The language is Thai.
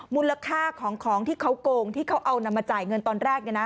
มูลค่าของของที่เขาโกงที่เขาเอานำมาจ่ายเงินตอนแรก